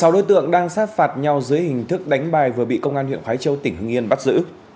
sáu đối tượng đang sát phạt nhau dưới hình thức đánh bài vừa bị công an huyện khói châu tỉnh hưng yên bắt giữ